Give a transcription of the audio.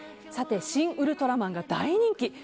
「シン・ウルトラマン」が大人気。